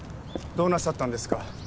どうなさったんですか？